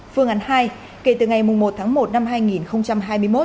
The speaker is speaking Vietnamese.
phương án hai kể từ ngày một tháng một năm hai nghìn hai mươi một